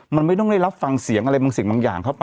มันไม่ต้องได้รับฟังเสียงอะไรบางสิ่งบางอย่างเข้าไป